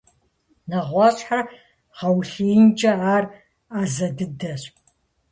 Нэгъуэщӏхэр гъэулъиинкӏэ ар ӏэзэ дыдэщ.